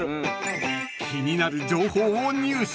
［気になる情報を入手］